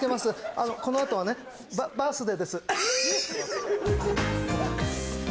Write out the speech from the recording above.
あのこのあとはねば「バース・デイ」です